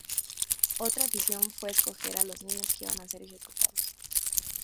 Otra "afición" fue escoger a los niños que iban a ser ejecutados.